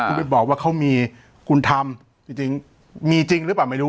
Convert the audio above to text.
คุณไปบอกว่าเขามีคุณธรรมจริงมีจริงหรือเปล่าไม่รู้